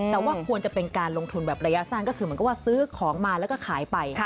แต่ว่าควรจะเป็นการลงทุนระยะสร้างก็คือซื้อของมาแล้วก็ขายไป